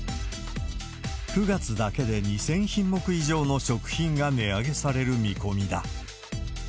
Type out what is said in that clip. ９月だけで２０００品目以上の食品が値上げされる見込みだ。